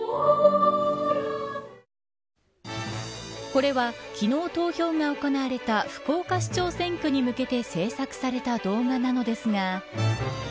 これは、昨日投票が行われた福岡市長選挙に向けて制作された動画なのですが。